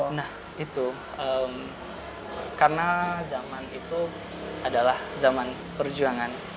nah itu karena zaman itu adalah zaman perjuangan